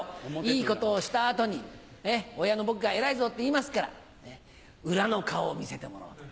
いいことをした後に親の僕が「偉いぞ」って言いますから裏の顔を見せてもらおうと。